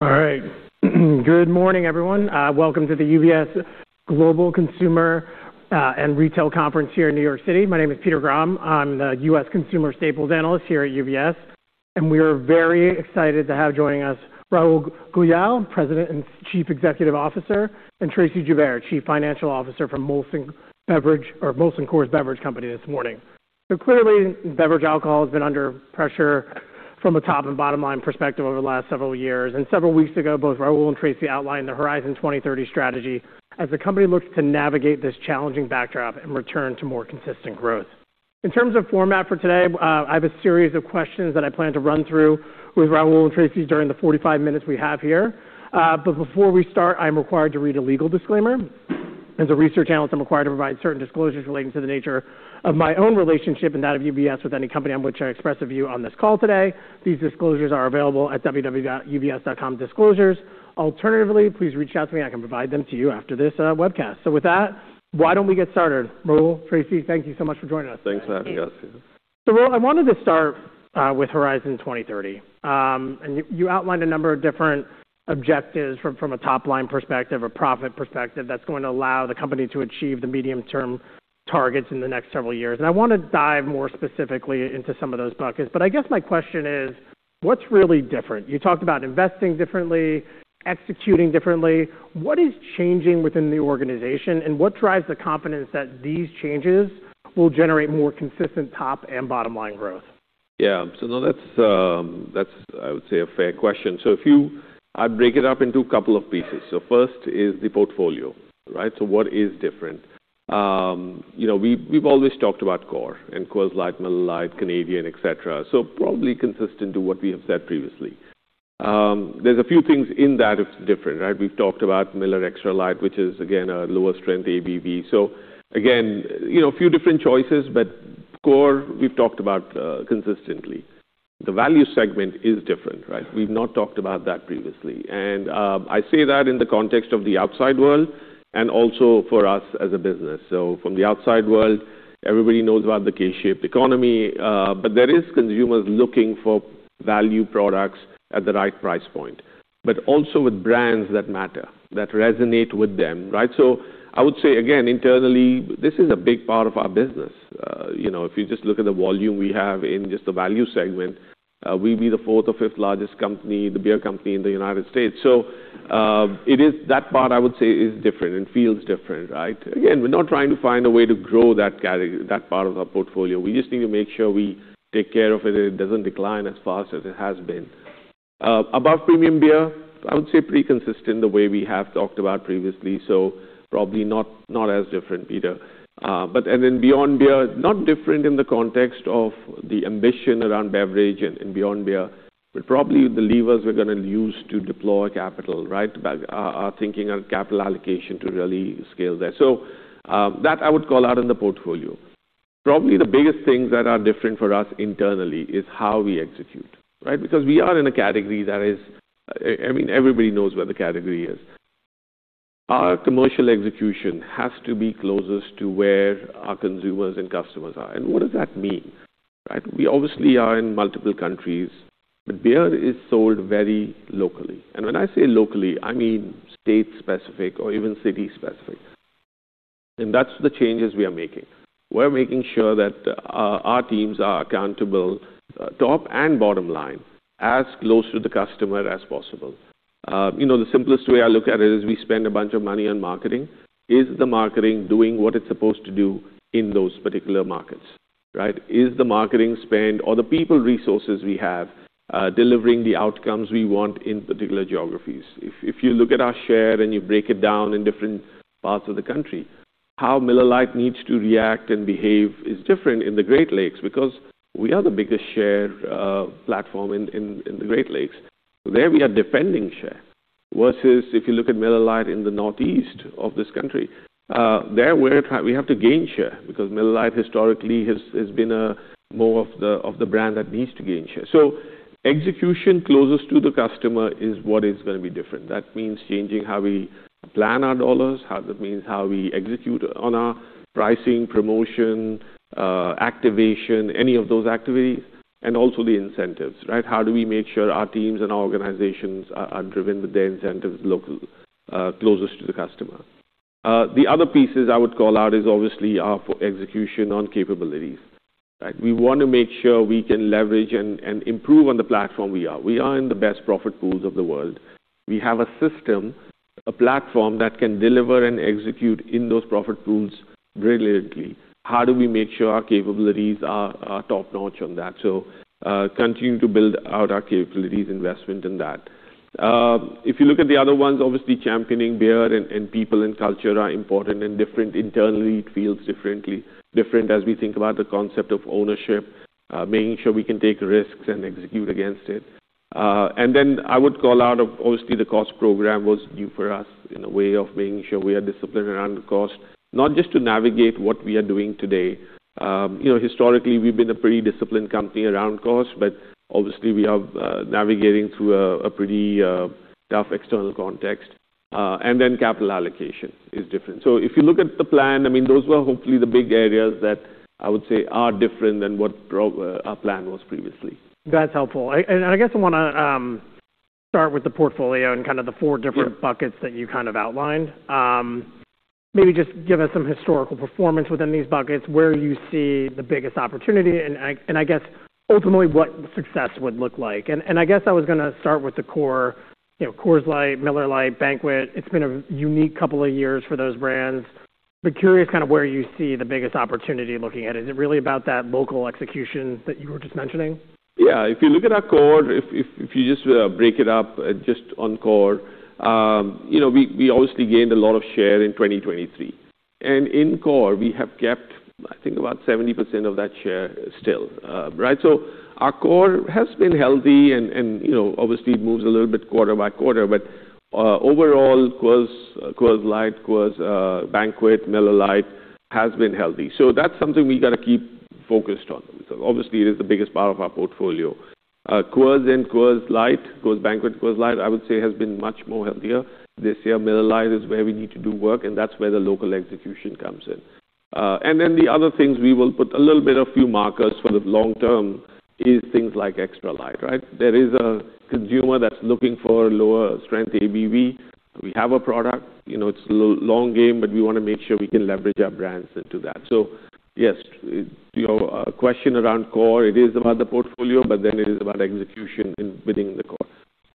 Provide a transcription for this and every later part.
All right. Good morning, everyone. Welcome to the UBS Global Consumer and Retail Conference here in New York City. My name is Peter Grom. I'm the U.S. consumer staples analyst here at UBS, and we are very excited to have joining us Rahul Goyal, President and Chief Executive Officer, and Tracey Joubert, Chief Financial Officer from Molson Coors Beverage Company this morning. Clearly, beverage alcohol has been under pressure from a top and bottom-line perspective over the last several years. Several weeks ago, both Rahul and Tracy outlined the Horizon 2030 strategy as the company looks to navigate this challenging backdrop and return to more consistent growth. In terms of format for today, I have a series of questions that I plan to run through with Rahul and Tracy during the 45 minutes we have here. Before we start, I'm required to read a legal disclaimer. As a research analyst, I'm required to provide certain disclosures relating to the nature of my own relationship and that of UBS with any company on which I express a view on this call today. These disclosures are available at www.ubs.com/disclosures. Alternatively, please reach out to me, and I can provide them to you after this webcast. With that, why don't we get started? Rahul, Tracey, thank you so much for joining us. Thanks for having us. Thanks. Rahul, I wanted to start with Horizon 2030. You outlined a number of different objectives from a top-line perspective, a profit perspective that's going to allow the company to achieve the medium-term targets in the next several years. I wanna dive more specifically into some of those buckets. I guess my question is what's really different? You talked about investing differently, executing differently. What is changing within the organization, and what drives the confidence that these changes will generate more consistent top and bottom-line growth? Yeah. No, that's, I would say, a fair question. I'd break it up into a couple of pieces. First is the portfolio, right? What is different? You know, we've always talked about core and cores like Miller Lite, Canadian, et cetera. Probably consistent to what we have said previously. There's a few things in that it's different, right? We've talked about Miller Extra Light, which is again a lower strength ABV. Again, you know, a few different choices, but core, we've talked about, consistently. The value segment is different, right? We've not talked about that previously. I say that in the context of the outside world and also for us as a business. From the outside world, everybody knows about the K-shaped economy, but there is consumers looking for value products at the right price point, but also with brands that matter, that resonate with them, right? I would say, again, internally, this is a big part of our business. You know, if you just look at the volume we have in just the value segment, we'd be the fourth or fifth largest company, the beer company in the United States. It is that part I would say is different and feels different, right? Again, we're not trying to find a way to grow that category, that part of our portfolio. We just need to make sure we take care of it, and it doesn't decline as fast as it has been. Above premium beer, I would say pretty consistent the way we have talked about previously. Probably not as different, Peter. And then beyond beer, not different in the context of the ambition around beverage and beyond beer, but probably the levers we're gonna use to deploy capital, right? By our thinking on capital allocation to really scale that. That I would call out in the portfolio. Probably the biggest things that are different for us internally is how we execute, right? Because we are in a category that is every—I mean, everybody knows what the category is. Our commercial execution has to be closest to where our consumers and customers are. What does that mean, right? We obviously are in multiple countries, but beer is sold very locally. When I say locally, I mean state-specific or even city-specific. That's the changes we are making. We're making sure that our teams are accountable, top and bottom line, as close to the customer as possible. You know, the simplest way I look at it is we spend a bunch of money on marketing. Is the marketing doing what it's supposed to do in those particular markets, right? Is the marketing spend or the people resources we have, delivering the outcomes we want in particular geographies? If you look at our share, and you break it down in different parts of the country, how Miller Lite needs to react and behave is different in the Great Lakes because we are the biggest share platform in the Great Lakes. There we are defending share. Versus if you look at Miller Lite in the Northeast of this country, there we have to gain share because Miller Lite historically has been a more of the brand that needs to gain share. Execution closest to the customer is what is gonna be different. That means changing how we plan our dollars. That means how we execute on our pricing, promotion, activation, any of those activities, and also the incentives, right? How do we make sure our teams and our organizations are driven with their incentives local, closest to the customer. The other pieces I would call out is obviously our execution on capabilities, right? We wanna make sure we can leverage and improve on the platform we are. We are in the best profit pools of the world. We have a system, a platform that can deliver and execute in those profit pools brilliantly. How do we make sure our capabilities are top-notch on that? Continue to build out our capabilities investment in that. If you look at the other ones, obviously championing beer and people and culture are important and different. Internally, it feels different as we think about the concept of ownership, making sure we can take risks and execute against it. I would call out, obviously, the cost program was new for us in a way of making sure we are disciplined around the cost, not just to navigate what we are doing today. You know, historically, we've been a pretty disciplined company around cost, but obviously, we are navigating through a pretty tough external context. Capital allocation is different. If you look at the plan, I mean, those were hopefully the big areas that I would say are different than what our plan was previously. That's helpful. I guess I want to start with the portfolio and kind of the four different- Yeah Buckets that you kind of outlined. Maybe just give us some historical performance within these buckets, where you see the biggest opportunity and I guess ultimately what success would look like. I guess I was gonna start with the core, you know, Coors Light, Miller Lite, Banquet. It's been a unique couple of years for those brands, but curious kind of where you see the biggest opportunity looking at it. Is it really about that local execution that you were just mentioning? Yeah. If you look at our core, if you just break it up just on core, you know, we obviously gained a lot of share in 2023. In core, we have kept, I think about 70% of that share still. Right? Our core has been healthy and, you know, obviously it moves a little bit quarter by quarter. Overall, Coors Light, Coors Banquet, Miller Lite has been healthy. That's something we got to keep focused on. Obviously it is the biggest part of our portfolio. Coors and Coors Light, Coors Banquet, Coors Light, I would say, has been much more healthier this year. Miller Lite is where we need to do work, and that's where the local execution comes in. The other things, we will put a little bit of few markers for the long term is things like Miller Extra Light, right? There is a consumer that's looking for lower strength ABV. We have a product, you know, it's long game, but we wanna make sure we can leverage our brands into that. Yes, you know, question around core, it is about the portfolio, but then it is about execution in winning the core.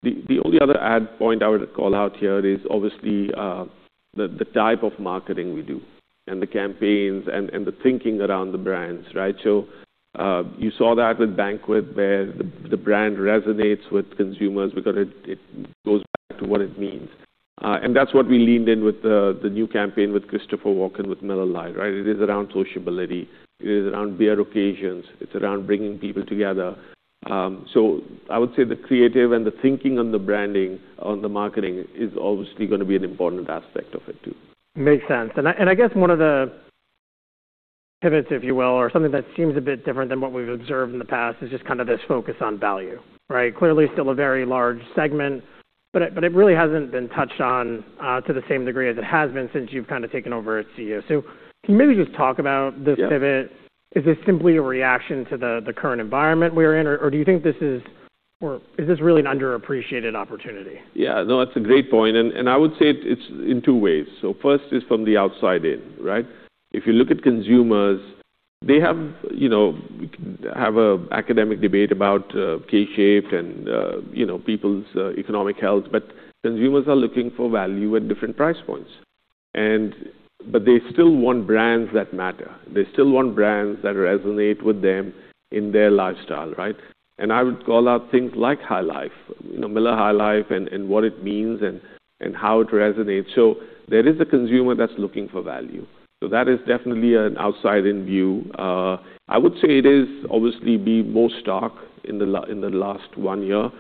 The only other add point I would call out here is obviously, the type of marketing we do and the campaigns and the thinking around the brands, right? You saw that with Coors Banquet, where the brand resonates with consumers because it goes back to what it means. That's what we leaned in with the new campaign with Christopher Walken, with Miller Lite, right? It is around sociability. It is around beer occasions. It's around bringing people together. I would say the creative and the thinking on the branding, on the marketing is obviously gonna be an important aspect of it too. Makes sense. I guess one of the pivots, if you will, or something that seems a bit different than what we've observed in the past, is just kind of this focus on value, right? Clearly still a very large segment, but it really hasn't been touched on to the same degree as it has been since you've kind of taken over as CEO. Can you maybe just talk about this pivot? Yeah. Is this simply a reaction to the current environment we're in? Or is this really an underappreciated opportunity? Yeah, no, that's a great point. I would say it's in two ways. First is from the outside in, right? If you look at consumers, they have, you know, an academic debate about K-shaped and, you know, people's economic health, but consumers are looking for value at different price points. They still want brands that matter. They still want brands that resonate with them in their lifestyle, right? I would call out things like High Life, you know, Miller High Life and what it means and how it resonates. There is a consumer that's looking for value. That is definitely an outside-in view. I would say it's obviously been more stark in the last one year,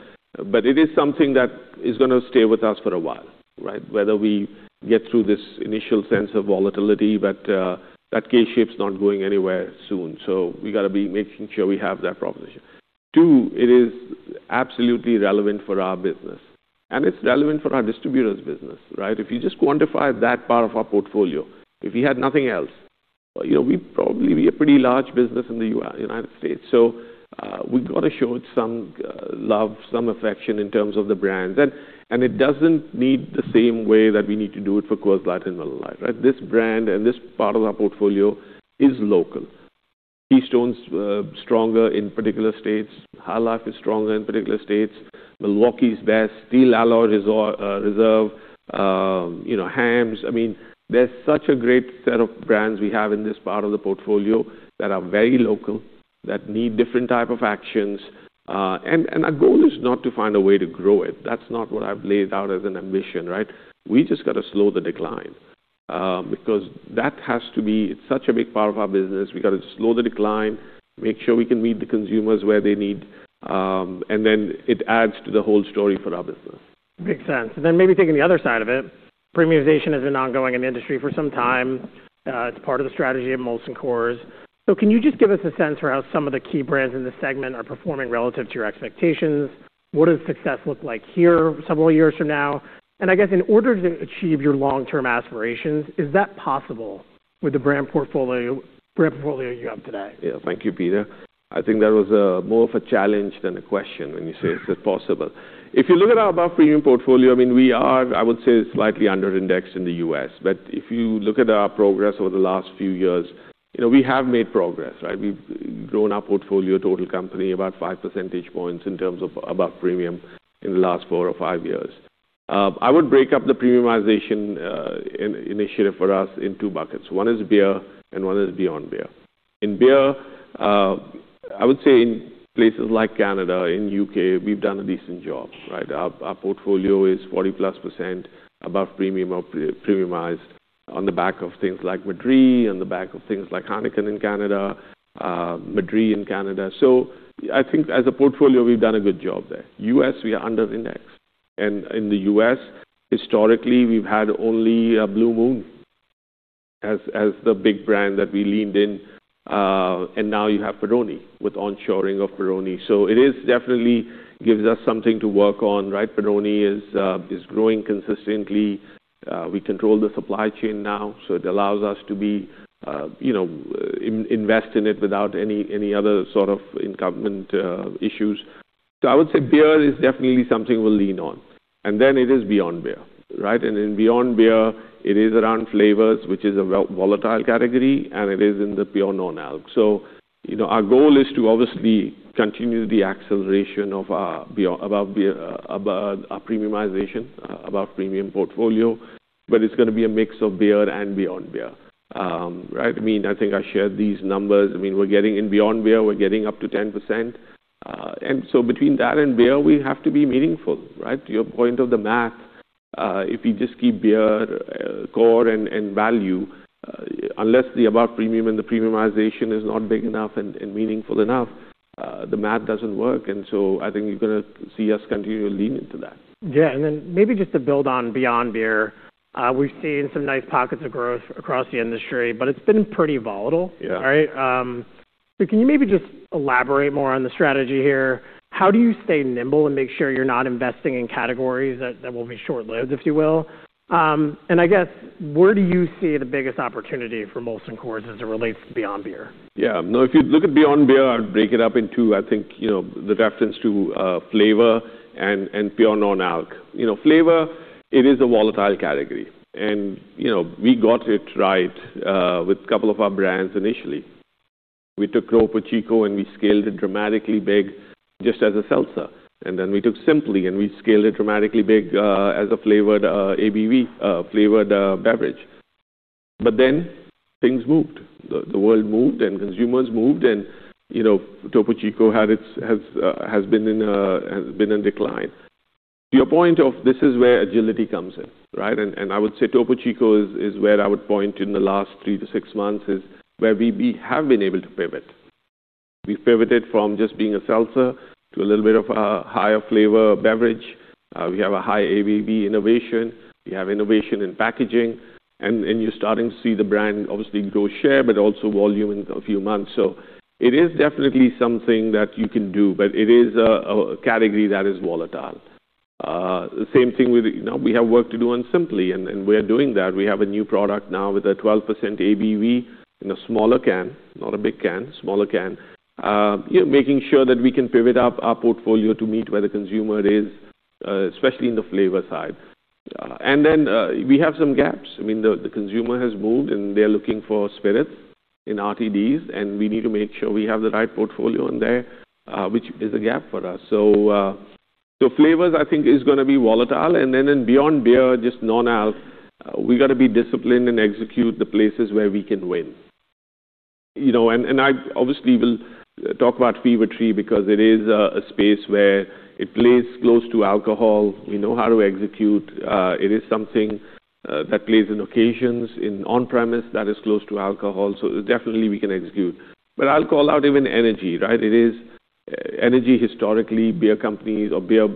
but it is something that is gonna stay with us for a while, right? Whether we get through this initial sense of volatility, but that K-shape's not going anywhere soon. We got to be making sure we have that proposition. Two, it is absolutely relevant for our business, and it's relevant for our distributors' business, right? If you just quantify that part of our portfolio, if we had nothing else, you know, we'd probably be a pretty large business in the United States. We've got to show it some love, some affection in terms of the brands. It doesn't need the same way that we need to do it for Coors Light and Miller Lite, right? This brand and this part of our portfolio is local. Keystone is stronger in particular states. High Life is stronger in particular states. Milwaukee's Best, Steel Reserve, you know, Hamm's. I mean, there's such a great set of brands we have in this part of the portfolio that are very local, that need different type of actions. And our goal is not to find a way to grow it. That's not what I've laid out as an ambition, right? We just got to slow the decline, because that has to be. It's such a big part of our business. We got to slow the decline, make sure we can meet the consumers where they need, and then it adds to the whole story for our business. Makes sense. Then maybe taking the other side of it, premiumization has been ongoing in the industry for some time. It's part of the strategy of Molson Coors. Can you just give us a sense for how some of the key brands in this segment are performing relative to your expectations? What does success look like here several years from now? I guess in order to achieve your long-term aspirations, is that possible with the brand portfolio you have today? Yeah. Thank you, Peter. I think that was more of a challenge than a question when you say, is it possible. If you look at our above premium portfolio, I mean, we are, I would say, slightly under-indexed in the U.S., but if you look at our progress over the last few years, you know, we have made progress, right? We've grown our portfolio total company about five percentage points in terms of above premium in the last four or five years. I would break up the premiumization initiative for us in two buckets. One is beer and one is beyond beer. In beer, I would say in places like Canada, in U.K., we've done a decent job, right? Our portfolio is 40%+ above premium or pre-premiumized on the back of things like Madrí, on the back of things like Heineken in Canada, Madrí in Canada. I think as a portfolio, we've done a good job there. U.S., we are under-indexed. In the U.S., historically, we've had only Blue Moon as the big brand that we leaned in, and now you have Peroni with onshoring of Peroni. It definitely gives us something to work on, right? Peroni is growing consistently. We control the supply chain now, so it allows us to, you know, invest in it without any other sort of incumbent issues. I would say beer is definitely something we'll lean on, and then it is beyond beer, right? In beyond beer, it is around flavors, which is a volatile category, and it is in the pure non-alc. You know, our goal is to obviously continue the acceleration of our beyond above beer above our premiumization, above premium portfolio. But it's gonna be a mix of beer and beyond beer. Right? I mean, I think I shared these numbers. I mean, we're getting. In beyond beer, we're getting up to 10%. And so between that and beer, we have to be meaningful, right? To your point of the math, if you just keep beer, core and value, unless the above premium and the premiumization is not big enough and meaningful enough, the math doesn't work. I think you're gonna see us continually lean into that. Yeah. Maybe just to build on beyond beer, we've seen some nice pockets of growth across the industry, but it's been pretty volatile. Yeah. Right? Can you maybe just elaborate more on the strategy here? How do you stay nimble and make sure you're not investing in categories that will be short-lived, if you will? I guess, where do you see the biggest opportunity for Molson Coors as it relates to beyond beer? Yeah. No, if you look at beyond beer, I would break it up into, I think, you know, the reference to flavor and pure non-alc. You know, flavor, it is a volatile category. You know, we got it right with a couple of our brands initially. We took Topo Chico, and we scaled it dramatically big just as a seltzer. We took Simply, and we scaled it dramatically big as a flavored ABV flavored beverage. Things moved. The world moved, and consumers moved. You know, Topo Chico has been in decline. To your point of this is where agility comes in, right? I would say Topo Chico is where I would point in the last 3-6 months where we have been able to pivot. We pivoted from just being a seltzer to a little bit of a higher flavor beverage. We have a high ABV innovation. We have innovation in packaging, and you're starting to see the brand obviously grow share but also volume in a few months. It is definitely something that you can do, but it is a category that is volatile. The same thing with, you know, we have work to do on Simply Spiked, and we're doing that. We have a new product now with a 12% ABV in a smaller can, not a big can, smaller can. You know, making sure that we can pivot our portfolio to meet where the consumer is, especially in the flavor side. We have some gaps. I mean, the consumer has moved, and they're looking for spirits and RTDs, and we need to make sure we have the right portfolio in there, which is a gap for us. Flavors, I think, is gonna be volatile. In beyond beer, just non-alc, we gotta be disciplined and execute the places where we can win. You know, I obviously will talk about Fever-Tree because it is a space where it plays close to alcohol. We know how to execute. It is something that plays in occasions, in on-premise that is close to alcohol, so definitely we can execute. I'll call out even energy, right? It is energy, historically, beer companies or beer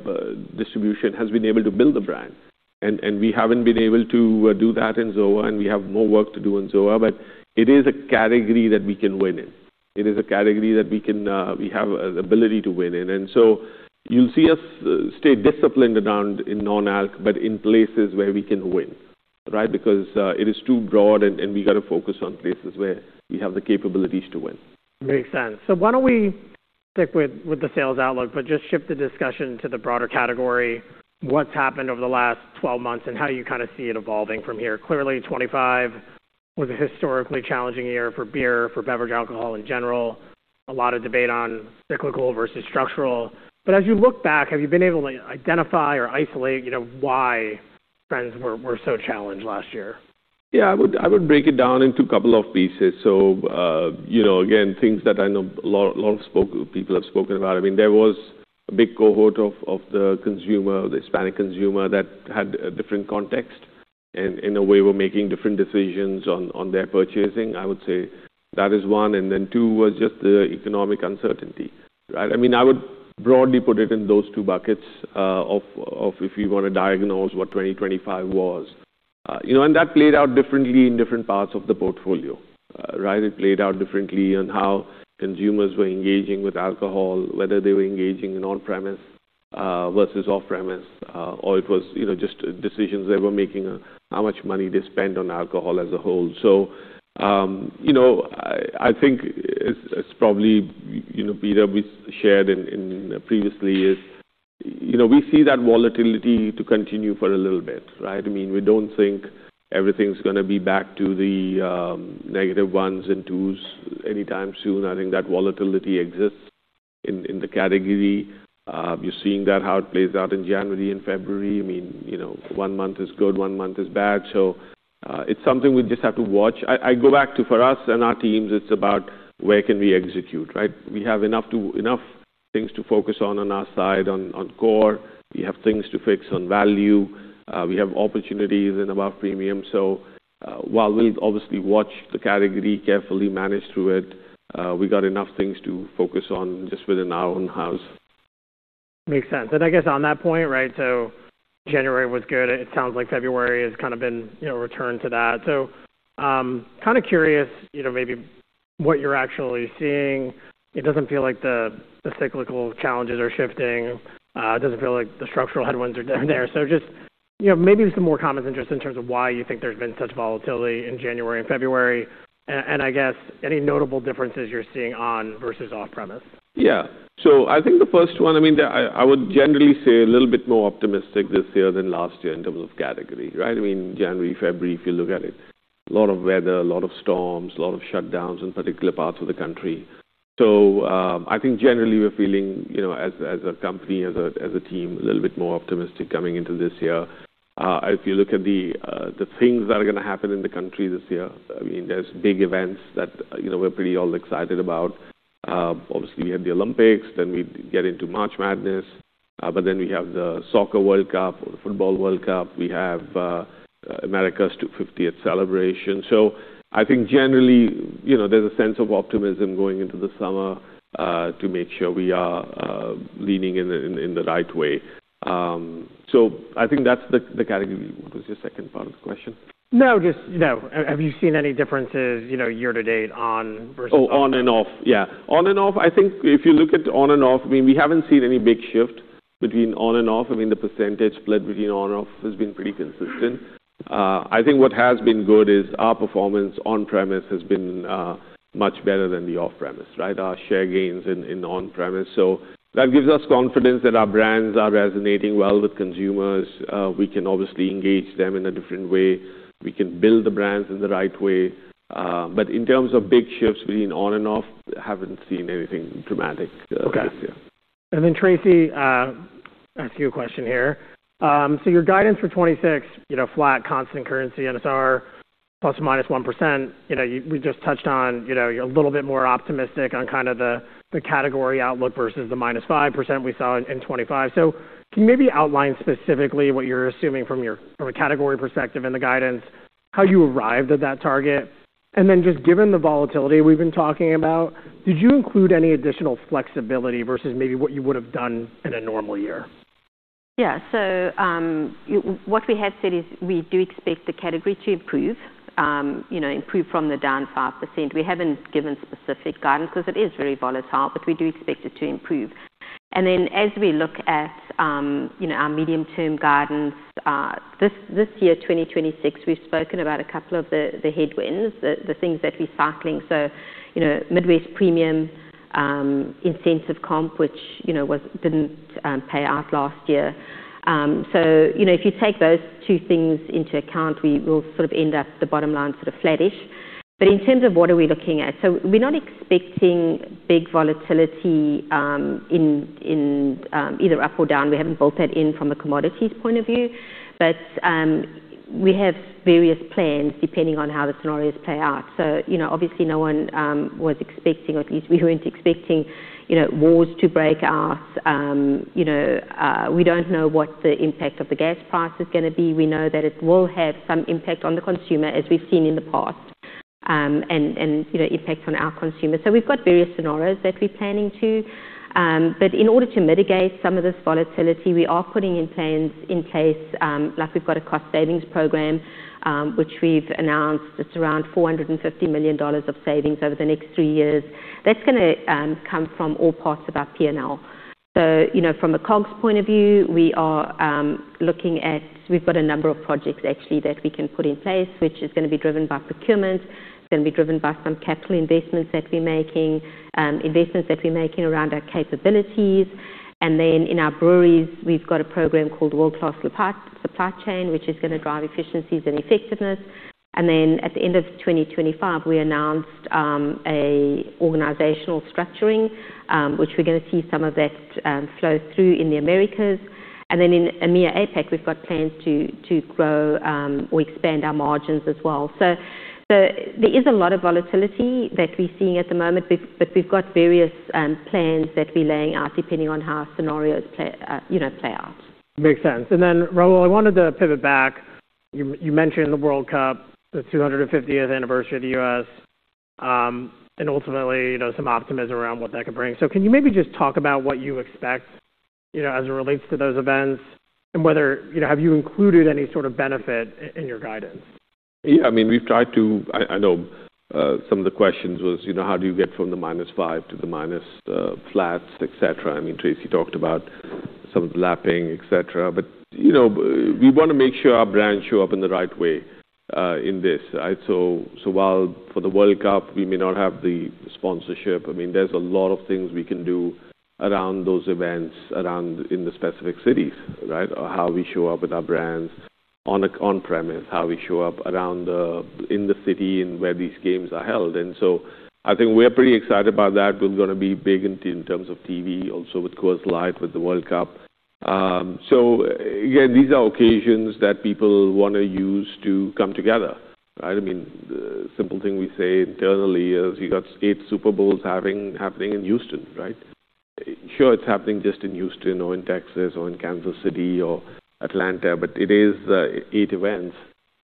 distribution has been able to build a brand. We haven't been able to do that in ZOA, and we have more work to do in ZOA, but it is a category that we can win in. It is a category that we can, we have ability to win in. You'll see us stay disciplined around in non-alc but in places where we can win, right? Because it is too broad, and we gotta focus on places where we have the capabilities to win. Makes sense. Why don't we stick with the sales outlook, but just shift the discussion to the broader category, what's happened over the last 12 months, and how you kinda see it evolving from here. Clearly, 2025 was a historically challenging year for beer, for beverage alcohol in general. A lot of debate on cyclical versus structural. As you look back, have you been able to identify or isolate, you know, why trends were so challenged last year? Yeah. I would break it down into a couple of pieces. So, you know, again, things that I know a lot of people have spoken about. I mean, there was a big cohort of the consumer, the Hispanic consumer, that had a different context and in a way were making different decisions on their purchasing. I would say that is one. Two was just the economic uncertainty, right? I mean, I would broadly put it in those two buckets, of if you wanna diagnose what 2025 was. You know, and that played out differently in different parts of the portfolio, right? It played out differently on how consumers were engaging with alcohol, whether they were engaging in on-premise versus off-premise, or it was, you know, just decisions they were making on how much money they spend on alcohol as a whole. You know, I think as probably, you know, Peter, we shared in previously is, you know, we see that volatility to continue for a little bit, right? I mean, we don't think everything's gonna be back to the negative ones and twos anytime soon. I think that volatility exists in the category. You're seeing how that plays out in January and February. I mean, you know, one month is good, one month is bad. It's something we just have to watch. I go back to for us and our teams, it's about where can we execute, right? We have enough things to focus on on our side. On core, we have things to fix. On value, we have opportunities in above premium. While we'll obviously watch the category carefully, manage through it, we got enough things to focus on just within our own house. Makes sense. I guess on that point, right, so January was good. It sounds like February has kind of been, you know, returned to that. Kind of curious, you know, maybe what you're actually seeing. It doesn't feel like the cyclical challenges are shifting. It doesn't feel like the structural headwinds are down there. Just, you know, maybe some more comment just in terms of why you think there's been such volatility in January and February, and I guess any notable differences you're seeing on versus off-premise. I think the first one, I mean, I would generally say a little bit more optimistic this year than last year in terms of category, right? I mean, January, February, if you look at it, a lot of weather, a lot of storms, a lot of shutdowns in particular parts of the country. I think generally we're feeling, you know, as a company, as a team, a little bit more optimistic coming into this year. If you look at the things that are gonna happen in the country this year, I mean, there's big events that, you know, we're all pretty excited about. Obviously, we have the Olympics, then we get into March Madness, but then we have the FIFA World Cup. We have America's 250th celebration. I think generally, you know, there's a sense of optimism going into the summer, to make sure we are leaning in the right way. I think that's the category. What was your second part of the question? No, just no. Have you seen any differences, you know, year to date on versus off? Oh, on and off. Yeah. On and off, I think if you look at on and off, I mean, we haven't seen any big shift between on and off. I mean, the percentage split between on and off has been pretty consistent. I think what has been good is our performance on-premise has been much better than the off-premise, right? Our share gains in on-premise. That gives us confidence that our brands are resonating well with consumers. We can obviously engage them in a different way. We can build the brands in the right way. In terms of big shifts between on and off, haven't seen anything dramatic, this year. Okay. Tracy, ask you a question here. Your guidance for 2026, you know, flat constant currency NSR ±1%, you know, we just touched on, you know, you're a little bit more optimistic on kind of the category outlook versus the -5% we saw in 2025. Can you maybe outline specifically what you're assuming from a category perspective and the guidance, how you arrived at that target? Just given the volatility we've been talking about, did you include any additional flexibility versus maybe what you would have done in a normal year? Yeah. What we have said is we do expect the category to improve, you know, improve from the down 5%. We haven't given specific guidance 'cause it is very volatile, but we do expect it to improve. As we look at, you know, our medium-term guidance, this year, 2026, we've spoken about a couple of the headwinds, the things that we're cycling. You know, Midwest Premium, incentive comp, which, you know, didn't pay out last year. You know, if you take those two things into account, we will sort of end up the bottom line sort of flattish. In terms of what are we looking at? We're not expecting big volatility in either up or down. We haven't built that in from a commodities point of view. We have various plans depending on how the scenarios play out. You know, obviously no one was expecting, or at least we weren't expecting, you know, wars to break out. You know, we don't know what the impact of the gas price is gonna be. We know that it will have some impact on the consumer, as we've seen in the past, and, you know, impact on our consumers. We've got various scenarios that we're planning to. In order to mitigate some of this volatility, we are putting in plans in case, like we've got a cost savings program, which we've announced. It's around $450 million of savings over the next three years. That's gonna come from all parts of our P&L. You know, from a COGS point of view, we are looking at. We've got a number of projects actually that we can put in place, which is gonna be driven by procurement. It's gonna be driven by some capital investments that we're making around our capabilities. In our breweries, we've got a program called World Class Supply Chain, which is gonna drive efficiencies and effectiveness. At the end of 2025, we announced an organizational restructuring, which we're gonna see some of that flow through in the Americas. In EMEA & APAC, we've got plans to grow or expand our margins as well. There is a lot of volatility that we're seeing at the moment, but we've got various plans that we're laying out depending on how scenarios play, you know, play out. Makes sense. Then, Rahul, I wanted to pivot back. You mentioned the World Cup, the 250th anniversary of the U.S., and ultimately, you know, some optimism around what that could bring. Can you maybe just talk about what you expect, you know, as it relates to those events and whether, you know, have you included any sort of benefit in your guidance? Yeah. I mean, we've tried to. I know some of the questions was, you know, how do you get from the -5% to flat, et cetera. I mean, Tracy talked about some of the lapping, et cetera. You know, we wanna make sure our brands show up in the right way in this, right? So while for the World Cup, we may not have the sponsorship, I mean, there's a lot of things we can do around those events, around in the specific cities, right? Or how we show up with our brands on-premise, how we show up around the city and where these games are held. I think we're pretty excited about that. We're gonna be big in terms of TV, also with Coors Light with the World Cup. Again, these are occasions that people wanna use to come together, right? I mean, the simple thing we say internally is you got eight Super Bowls happening in Houston, right? Sure, it's happening just in Houston or in Texas or in Kansas City or Atlanta, but it is eight events.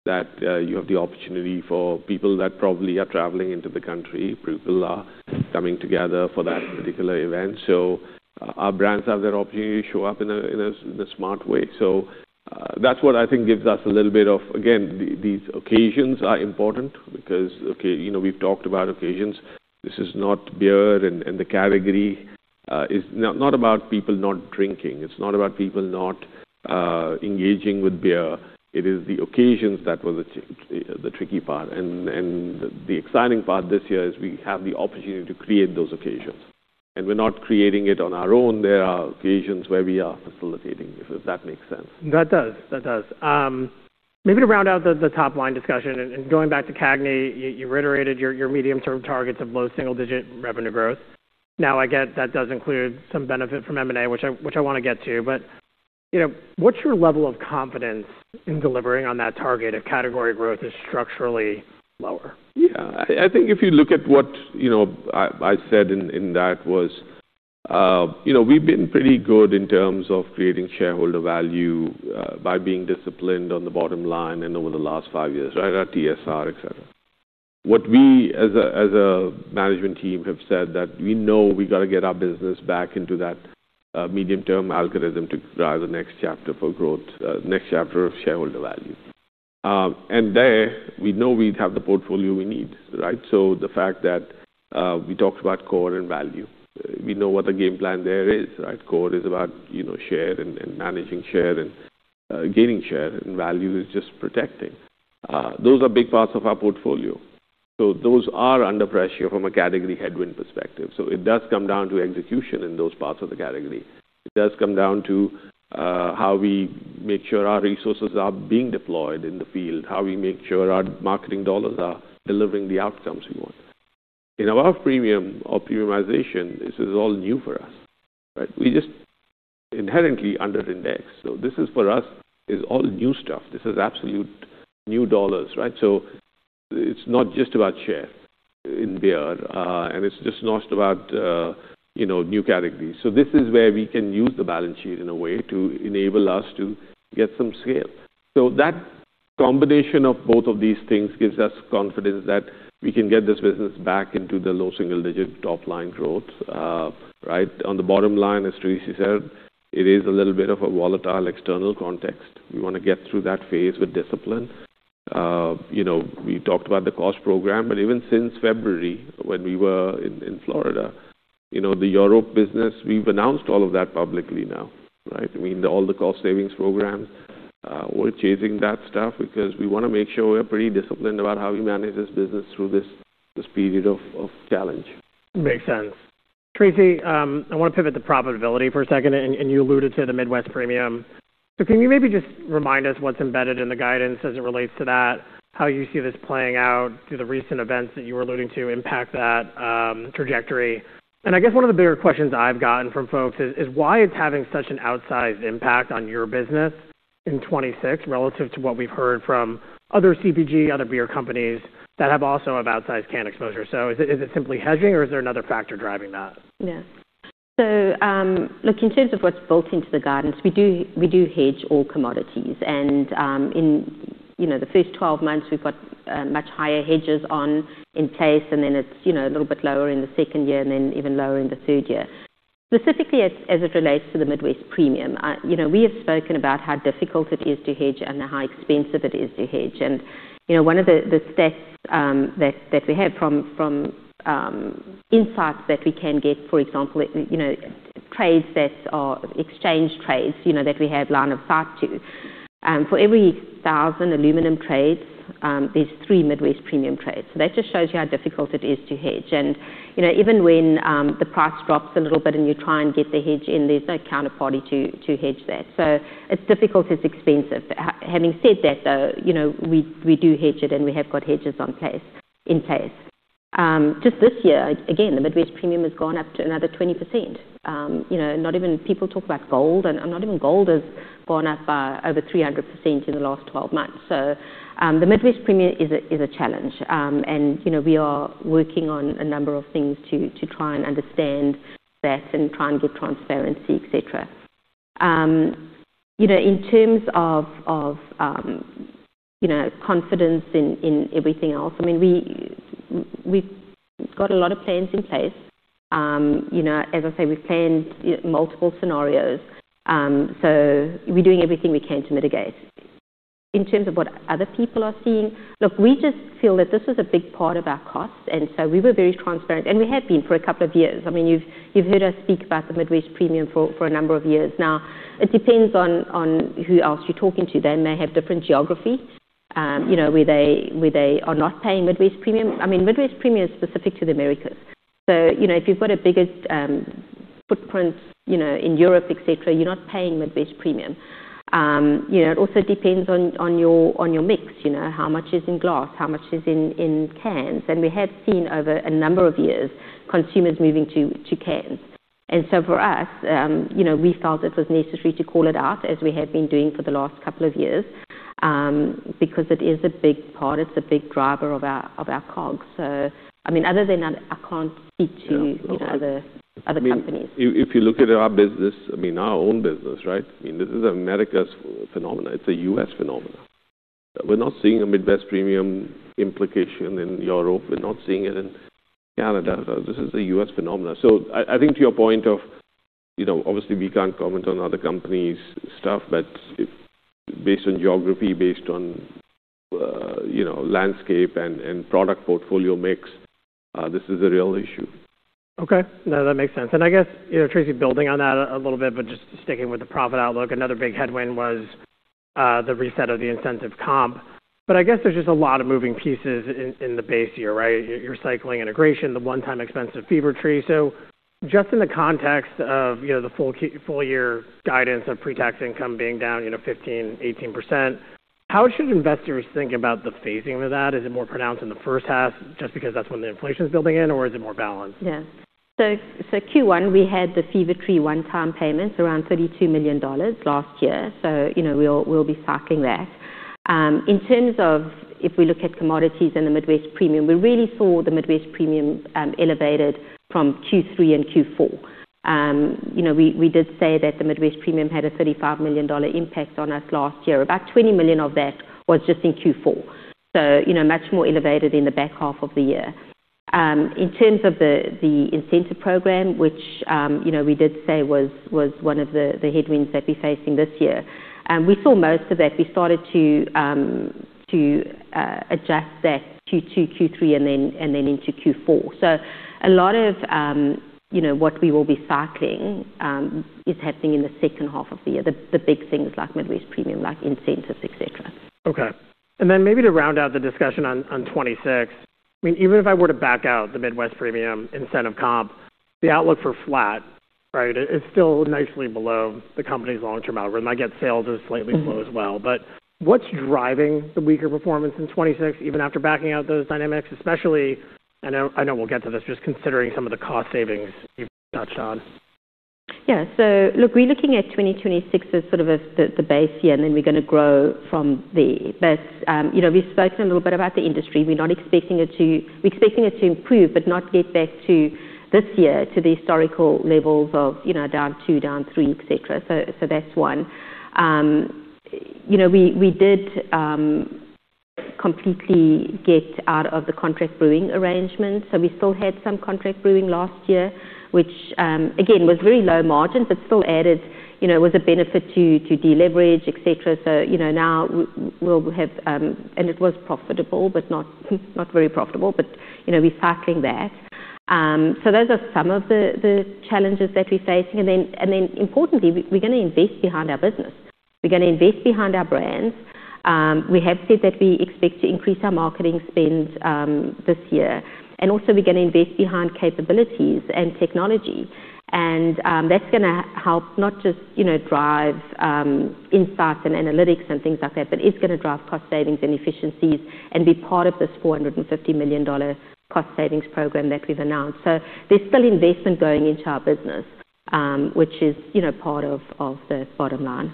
That you have the opportunity for people that probably are traveling into the country, people are coming together for that particular event. Our brands have that opportunity to show up in a smart way. That's what I think gives us a little bit of. Again, these occasions are important because, okay, you know, we've talked about occasions. This is not beer and the category. It's not about people not drinking. It's not about people not engaging with beer. It is the occasions that was the tricky part. The exciting part this year is we have the opportunity to create those occasions. We're not creating it on our own. There are occasions where we are facilitating, if that makes sense. That does. Maybe to round out the top line discussion and going back to CAGNY, you reiterated your medium-term targets of low single-digit revenue growth. Now, I get that does include some benefit from M&A, which I wanna get to. You know, what's your level of confidence in delivering on that target if category growth is structurally lower? Yeah. I think if you look at what you know I said in that you know we've been pretty good in terms of creating shareholder value by being disciplined on the bottom line and over the last five years, right? Our TSR, et cetera. What we as a management team have said that we know we've got to get our business back into that medium-term algorithm to drive the next chapter for growth, next chapter of shareholder value. There we know we have the portfolio we need, right? The fact that we talked about core and value, we know what the game plan there is, right? Core is about you know share and managing share and gaining share, and value is just protecting. Those are big parts of our portfolio. Those are under pressure from a category headwind perspective. It does come down to execution in those parts of the category. It does come down to how we make sure our resources are being deployed in the field, how we make sure our marketing dollars are delivering the outcomes we want. In our premium or premiumization, this is all new for us, right? We just inherently under index. This is for us is all new stuff. This is absolute new dollars, right? It's not just about share in beer, and it's just not about, you know, new categories. This is where we can use the balance sheet in a way to enable us to get some scale. That combination of both of these things gives us confidence that we can get this business back into the low single-digit top line growth, right? On the bottom line, as Tracey said, it is a little bit of a volatile external context. We wanna get through that phase with discipline. You know, we talked about the cost program, but even since February when we were in Florida, you know, the Europe business, we've announced all of that publicly now, right? I mean, all the cost savings programs, we're chasing that stuff because we wanna make sure we're pretty disciplined about how we manage this business through this period of challenge. Makes sense. Tracey, I wanna pivot to profitability for a second, and you alluded to the Midwest Premium. Can you maybe just remind us what's embedded in the guidance as it relates to that, how you see this playing out through the recent events that you were alluding to impact that trajectory? I guess one of the bigger questions I've gotten from folks is why it's having such an outsized impact on your business in 2026 relative to what we've heard from other CPG, other beer companies that have also outsized can exposure. Is it simply hedging or is there another factor driving that? Yeah. Look, in terms of what's built into the guidance, we do hedge all commodities. In you know the first 12 months, we've got much higher hedges in place, and then it's you know a little bit lower in the second year and then even lower in the third year. Specifically as it relates to the Midwest Premium, you know, we have spoken about how difficult it is to hedge and how expensive it is to hedge. You know, one of the stats that we have from insights that we can get, for example, you know, trades that are exchange trades, you know, that we have line of sight to. For every 1,000 aluminum trades, there's 3 Midwest Premium trades. That just shows you how difficult it is to hedge. You know, even when the price drops a little bit and you try and get the hedge in, there's no counterparty to hedge that. So it's difficult, it's expensive. Having said that, though, you know, we do hedge it, and we have got hedges in place. Just this year, again, the Midwest Premium has gone up to another 20%. You know, not even people talk about gold, and not even gold has gone up by over 300% in the last 12 months. So the Midwest Premium is a challenge. You know, we are working on a number of things to try and understand that and try and give transparency, et cetera. You know, in terms of confidence in everything else, I mean, we've got a lot of plans in place. You know, as I say, we've planned multiple scenarios, so we're doing everything we can to mitigate. In terms of what other people are seeing, look, we just feel that this is a big part of our costs, and so we were very transparent, and we have been for a couple of years. I mean, you've heard us speak about the Midwest Premium for a number of years now. It depends on who else you're talking to. They may have different geography, you know, where they are not paying Midwest Premium. I mean, Midwest Premium is specific to the Americas. You know, if you've got a bigger footprint, you know, in Europe, et cetera, you're not paying Midwest Premium. You know, it also depends on your mix. You know, how much is in glass, how much is in cans. We have seen over a number of years, consumers moving to cans. For us, you know, we felt it was necessary to call it out as we have been doing for the last couple of years, because it is a big part, it's a big driver of our COGS. I mean, other than that, I can't speak to- Yeah. No you know, other companies. I mean, if you look at our business, I mean, our own business, right? I mean, this is American phenomenon. It's a U.S. phenomenon. We're not seeing a Midwest Premium implication in Europe. We're not seeing it in Canada. This is a U.S. phenomenon. I think to your point of, you know, obviously, we can't comment on other companies' stuff, but if based on geography, based on, you know, landscape and product portfolio mix, this is a real issue. Okay. No, that makes sense. I guess, you know, Tracey, building on that a little bit, but just sticking with the profit outlook, another big headwind was the reset of the incentive comp. I guess there's just a lot of moving pieces in the base year, right? You're cycling integration, the one-time expense of Fever-Tree. Just in the context of, you know, the full year guidance of pre-tax income being down 15%-18%, how should investors think about the phasing of that? Is it more pronounced in the first half just because that's when the inflation is building in, or is it more balanced? Yeah. Q1, we had the Fever-Tree one-time payment around $32 million last year. You know, we'll be cycling that. In terms of if we look at commodities in the Midwest Premium, we really saw the Midwest Premium elevated from Q3 and Q4. You know, we did say that the Midwest Premium had a $35 million impact on us last year. About $20 million of that was just in Q4. You know, much more elevated in the back half of the year. In terms of the incentive program, which, you know, we did say was one of the headwinds that we're facing this year. We saw most of that. We started to adjust that Q2, Q3, and then into Q4. A lot of you know what we will be cycling is happening in the second half of the year. The big things like Midwest Premium, like incentives, et cetera. Okay. Maybe to round out the discussion on 2026, I mean, even if I were to back out the Midwest Premium incentive comp, the outlook for flat, right, is still nicely below the company's long-term algorithm. I get sales are slightly slow as well. What's driving the weaker performance in 2026 even after backing out those dynamics, especially, I know we'll get to this, just considering some of the cost savings you've touched on. Look, we're looking at 2026 as sort of the base year, and then we're gonna grow from there. You know, we've spoken a little bit about the industry. We're expecting it to improve but not get back to this year, to the historical levels of, you know, down 2%, down 3%, etc. That's one. You know, we did completely get out of the contract brewing arrangement, so we still had some contract brewing last year, which, again, was very low margin, but still added, you know, it was a benefit to deleverage, etc. You know, now we'll have. It was profitable, but not very profitable. You know, we're cycling that. Those are some of the challenges that we're facing. Importantly, we're gonna invest behind our business. We're gonna invest behind our brands. We have said that we expect to increase our marketing spend this year. Also we're gonna invest behind capabilities and technology. That's gonna help not just, you know, drive insights and analytics and things like that, but it's gonna drive cost savings and efficiencies and be part of this $450 million cost savings program that we've announced. There's still investment going into our business, which is, you know, part of the bottom line.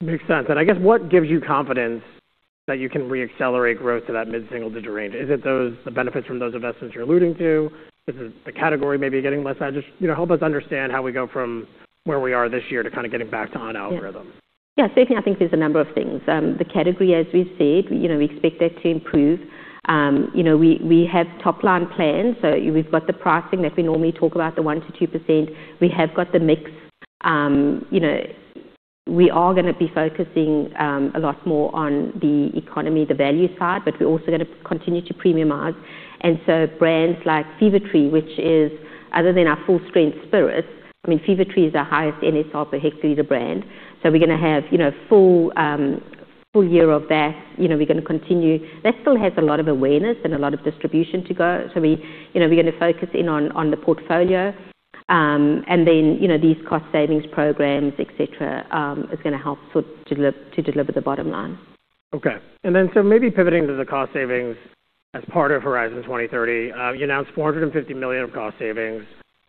Makes sense. I guess what gives you confidence that you can reaccelerate growth to that mid-single-digit range? Is it those, the benefits from those investments you're alluding to? Is it the category maybe getting less edge? You know, help us understand how we go from where we are this year to kinda getting back to on algorithm. Yeah. Certainly, I think there's a number of things. The category, as we said, you know, we expect that to improve. You know, we have top-line plans, so we've got the pricing that we normally talk about, the 1%-2%. We have got the mix. You know, we are gonna be focusing a lot more on the economy, the value side, but we're also gonna continue to premiumize. Brands like Fever-Tree, which is other than our full-strength spirits, I mean, Fever-Tree is the highest NSR per hectoliter as a brand. So we're gonna have, you know, full year of that. You know, we're gonna continue. That still has a lot of awareness and a lot of distribution to go. We, you know, we're gonna focus in on the portfolio, and then, you know, these cost savings programs, et cetera, is gonna help deliver the bottom line. Okay. Maybe pivoting to the cost savings as part of Horizon 2030. You announced $450 million of cost savings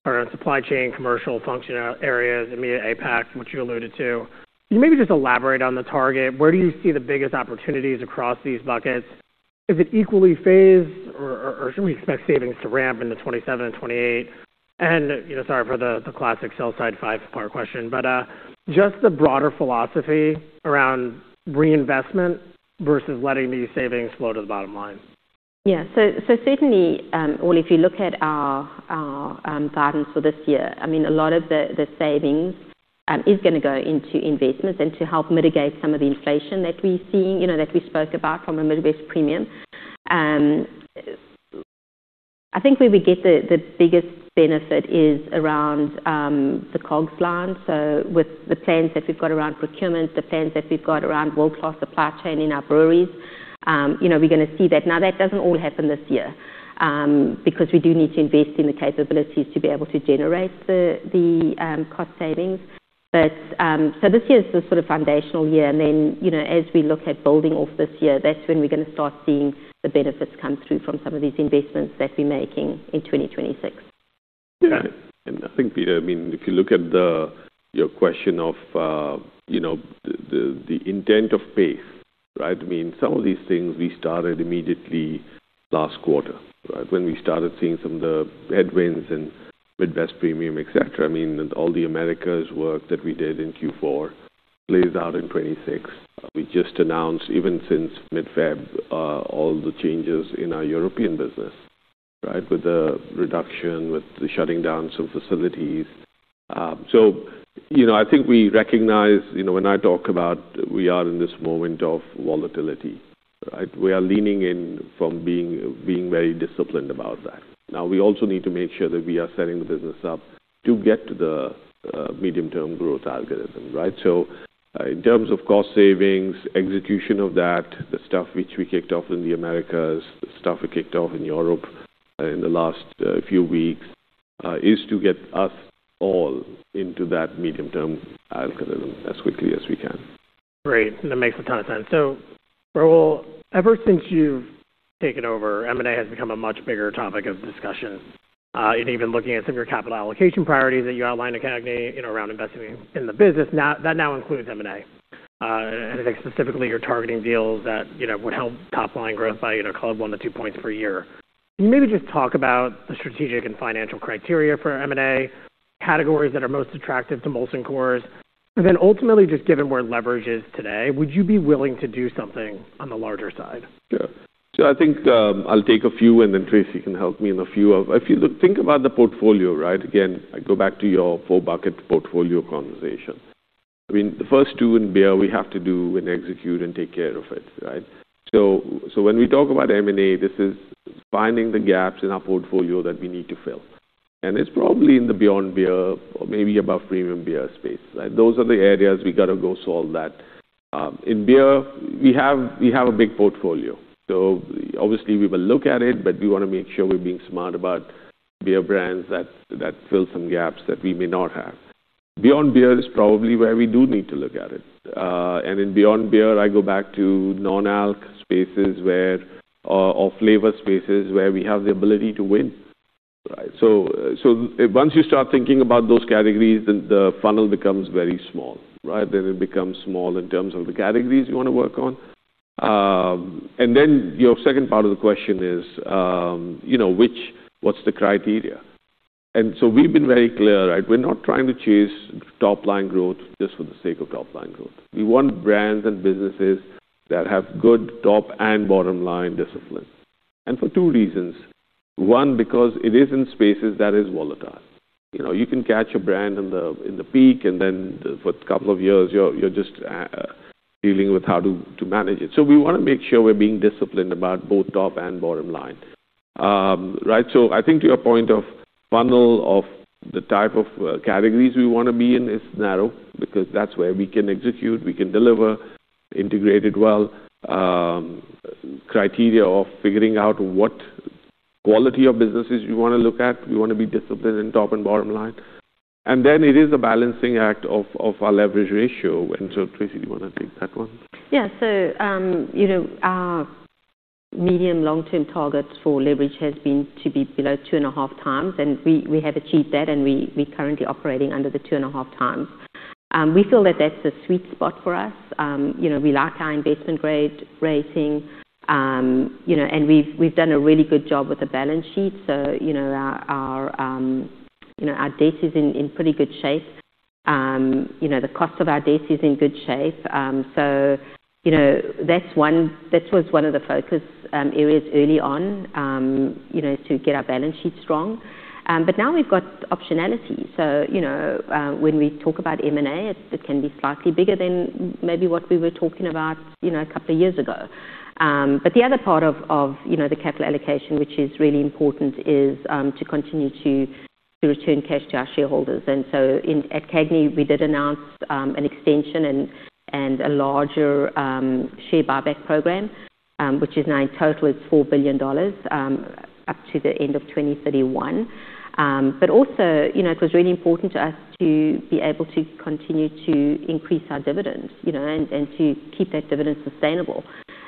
around supply chain, commercial function areas, EMEA & APAC, which you alluded to. Can you maybe just elaborate on the target? Where do you see the biggest opportunities across these buckets? Is it equally phased or should we expect savings to ramp into 2027 and 2028? You know, sorry for the classic sell side five-part question, but just the broader philosophy around reinvestment versus letting these savings flow to the bottom line. Yeah. Certainly, well, if you look at our guidance for this year, I mean, a lot of the savings is gonna go into investments and to help mitigate some of the inflation that we're seeing, you know, that we spoke about from a Midwest Premium. I think where we get the biggest benefit is around the COGS line. So with the plans that we've got around procurement, the plans that we've got around World Class Supply Chain in our breweries, you know, we're gonna see that. Now, that doesn't all happen this year, because we do need to invest in the capabilities to be able to generate the cost savings. This year is the sort of foundational year, and then, you know, as we look at building off this year, that's when we're gonna start seeing the benefits come through from some of these investments that we're making in 2026. Yeah. I think, Peter, I mean, if you look at your question of, you know, the intent of pace, right? I mean, some of these things we started immediately last quarter, right? When we started seeing some of the headwinds and Midwest Premium, et cetera. I mean, all the Americas work that we did in Q4 plays out in 2026. We just announced, even since mid-February, all the changes in our European business, right, with the reduction, with the shutting down some facilities. You know, I think we recognize, you know, when I talk about we are in this moment of volatility, right? We are leaning in, being very disciplined about that. Now, we also need to make sure that we are setting the business up to get to the medium-term growth algorithm, right? In terms of cost savings, execution of that, the stuff which we kicked off in the Americas, the stuff we kicked off in Europe in the last few weeks, is to get us all into that medium-term algorithm as quickly as we can. Great. That makes a ton of sense. Rahul, ever since you've taken over, M&A has become a much bigger topic of discussion. And even looking at some of your capital allocation priorities that you outlined at CAGNY, you know, around investing in the business. Now, that includes M&A. I think specifically you're targeting deals that, you know, would help top-line growth by, you know, call it 1-2 points per year. Can you maybe just talk about the strategic and financial criteria for M&A, categories that are most attractive to Molson Coors, and then ultimately, just given where leverage is today, would you be willing to do something on the larger side? Sure. I think I'll take a few, and then Tracey can help me. If you think about the portfolio, right? Again, I go back to your four-bucket portfolio conversation. I mean, the first two in beer we have to do and execute and take care of it, right? When we talk about M&A, this is finding the gaps in our portfolio that we need to fill. It's probably in the Beyond Beer or maybe above premium beer space, right? Those are the areas we got to go solve that. In beer, we have a big portfolio, so obviously we will look at it, but we want to make sure we're being smart about beer brands that fill some gaps that we may not have. Beyond Beer is probably where we do need to look at it. In Beyond Beer, I go back to non-alc spaces where or flavor spaces where we have the ability to win, right? Once you start thinking about those categories, the funnel becomes very small, right? It becomes small in terms of the categories you want to work on. Your second part of the question is, you know, what's the criteria? We've been very clear, right? We're not trying to chase top-line growth just for the sake of top-line growth. We want brands and businesses that have good top and bottom line discipline, and for two reasons. One, because it is in spaces that is volatile. You know, you can catch a brand in the peak, and then for a couple of years, you're just dealing with how to manage it. We want to make sure we're being disciplined about both top and bottom line. Right. I think to your point of funnel of the type of categories we want to be in is narrow because that's where we can execute, we can deliver, integrate it well. Criteria of figuring out what quality of businesses we want to look at. We want to be disciplined in top and bottom line. It is a balancing act of our leverage ratio. Tracey, do you want to take that one? Yeah. You know, our medium long-term targets for leverage has been to be below 2.5x, and we have achieved that. We currently operating under the 2.5x. We feel that that's the sweet spot for us. You know, we like our investment grade rating, you know, and we've done a really good job with the balance sheet. You know, our debt is in pretty good shape. You know, the cost of our debt is in good shape. You know, that was one of the focus areas early on, you know, to get our balance sheet strong. Now we've got optionality. You know, when we talk about M&A, it can be slightly bigger than maybe what we were talking about, you know, a couple of years ago. The other part of, you know, the capital allocation, which is really important, is to continue to return cash to our shareholders. At CAGNY, we did announce an extension and a larger share buyback program, which is now in total is $4 billion up to the end of 2031. Also, you know, it was really important to us to be able to continue to increase our dividends, you know, and to keep that dividend sustainable.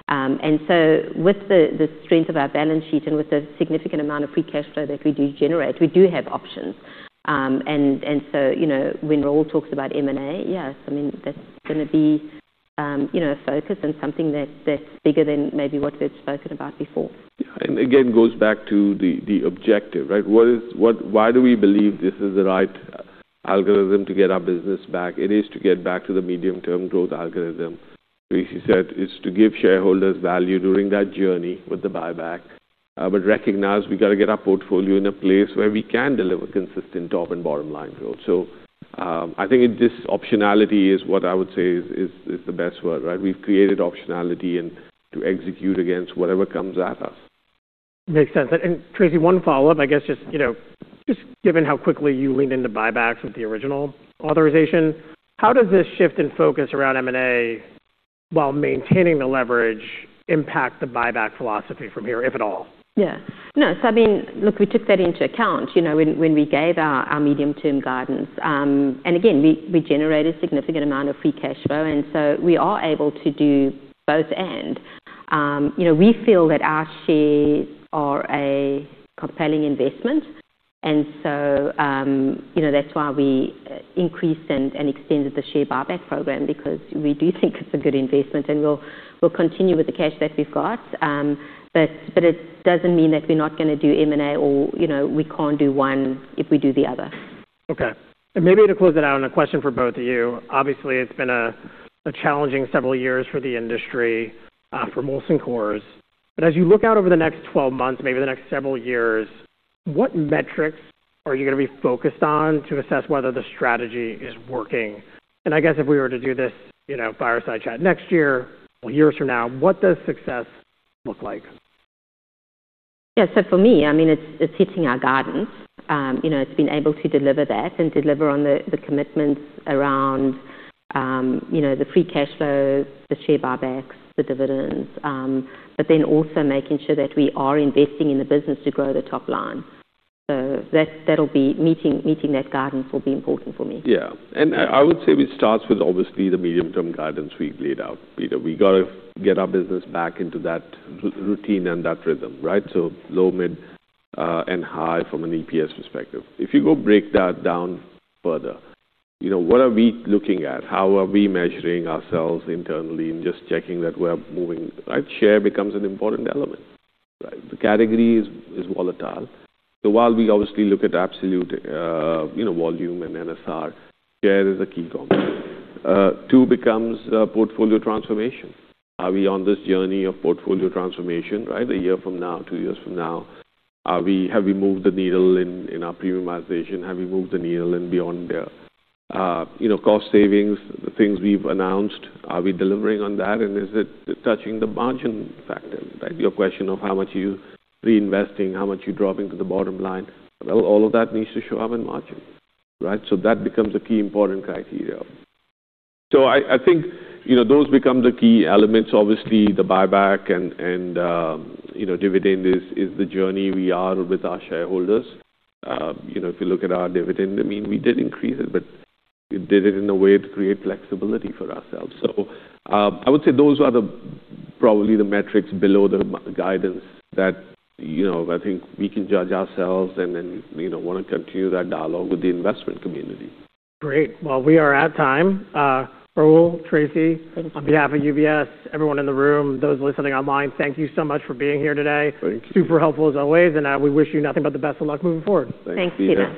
With the strength of our balance sheet and with the significant amount of free cash flow that we do generate, we do have options. You know, when Rahul talks about M&A, yes, I mean, that's gonna be, you know, a focus and something that's bigger than maybe what we've spoken about before. Yeah. Again, goes back to the objective, right? Why do we believe this is the right algorithm to get our business back? It is to get back to the medium-term growth algorithm. Tracey said it's to give shareholders value during that journey with the buyback. Recognize we got to get our portfolio in a place where we can deliver consistent top and bottom line growth. I think this optionality is what I would say is the best word, right? We've created optionality and to execute against whatever comes at us. Makes sense. Tracey, one follow-up, I guess just, you know, just given how quickly you leaned into buybacks with the original authorization, how does this shift in focus around M&A while maintaining the leverage impact the buyback philosophy from here, if at all? I mean, look, we took that into account, you know, when we gave our medium-term guidance. Again, we generated significant amount of free cash flow, and so we are able to do both. You know, we feel that our shares are a compelling investment. You know, that's why we increased and extended the share buyback program because we do think it's a good investment, and we'll continue with the cash that we've got. It doesn't mean that we're not gonna do M&A or, you know, we can't do one if we do the other. Okay. Maybe to close it out, a question for both of you. Obviously, it's been a challenging several years for the industry, for Molson Coors. As you look out over the next 12 months, maybe the next several years, what metrics are you gonna be focused on to assess whether the strategy is working? I guess if we were to do this, you know, fireside chat next year or years from now, what does success look like? Yeah. For me, I mean, it's hitting our guidance. You know, it's been able to deliver that and deliver on the commitments around, you know, the free cash flow, the share buybacks, the dividends, but then also making sure that we are investing in the business to grow the top line. That, that'll be meeting that guidance will be important for me. Yeah, I would say it starts with obviously the medium-term guidance we've laid out, Peter. We gotta get our business back into that routine and that rhythm, right? Low, mid, and high from an EPS perspective. If you go break that down further, you know, what are we looking at? How are we measuring ourselves internally and just checking that we're moving, right? Share becomes an important element, right? The category is volatile. While we obviously look at absolute, you know, volume and NSR, share is a key component. Two becomes portfolio transformation. Are we on this journey of portfolio transformation, right? A year from now, two years from now, have we moved the needle in our premiumization? Have we moved the needle and beyond the, you know, cost savings, the things we've announced, are we delivering on that? Is it touching the margin factor? Back to your question of how much are you reinvesting, how much you're dropping to the bottom line. Well, all of that needs to show up in margin, right? That becomes a key important criteria. I think, you know, those become the key elements. Obviously, the buyback and dividend is the journey we are with our shareholders. If you look at our dividend, I mean, we did increase it, but we did it in a way to create flexibility for ourselves. I would say those are the Probably the metrics below the mid-guidance that, you know, I think we can judge ourselves and then, you know, wanna continue that dialogue with the investment community. Great. Well, we are at time. Rahul, Tracey. Thanks, Peter. On behalf of UBS, everyone in the room, those listening online, thank you so much for being here today. Thank you. Super helpful as always, and we wish you nothing but the best of luck moving forward. Thanks, Peter.